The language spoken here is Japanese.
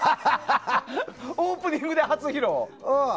オープニングで初披露？